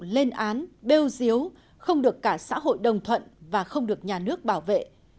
lên án bêu diếu không được cả xã hội đồng thuận và không được nhà nước bảo vệ